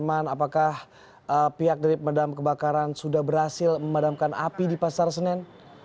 apakah pihak dari pemadam kebakaran sudah berhasil memadamkan api di pasar senen